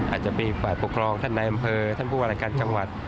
อาจจะมีฝ่ายปกครองท่านในอำเภอท่านผู้ว่ารายการจังหวัด